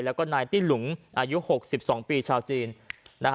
แล้วก็นายตี้หลุงอายุ๖๒ปีชาวจีนนะฮะ